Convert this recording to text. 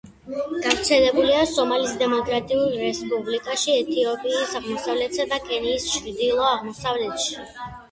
გავრცელებულია სომალის დემოკრატიულ რესპუბლიკაში, ეთიოპიის აღმოსავლეთსა და კენიის ჩრდილო-აღმოსავლეთში.